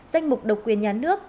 danh mục độc quyền nhà nước